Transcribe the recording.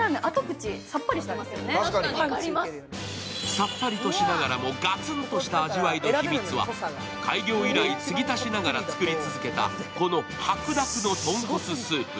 さっぱりとしながらもガツンとした味わいの秘密は開業以来、継ぎ足しながら作り続けたこの白濁の豚骨スープ。